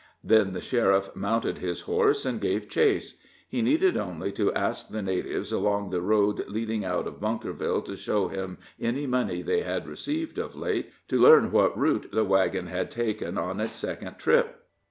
Then the sheriff mounted his horse and gave chase. He needed only to ask the natives along the road leading out of Bunkerville to show him any money they had received of late, to learn what route the wagon had taken on its second trip.